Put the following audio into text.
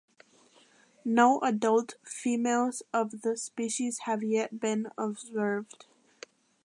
No adult females of the species have yet been observed.